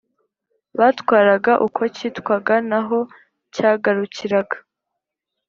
batwaraga uko cyitwaga n'aho cyagarukiraga